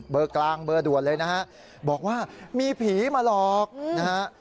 กลางเบอร์ด่วนเลยนะฮะบอกว่ามีผีมาหลอกนะฮะ